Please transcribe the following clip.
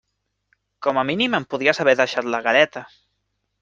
Com a mínim em podries haver deixat la galeta.